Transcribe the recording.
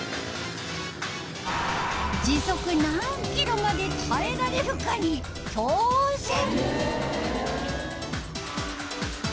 時速何キロまで耐えられるかに挑戦。